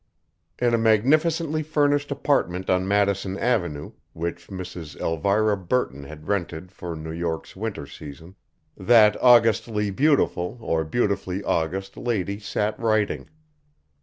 In a magnificently furnished apartment on Madison avenue, which Mrs. Elvira Burton had rented for New York's winter season, that augustly beautiful or beautifully august lady sat writing.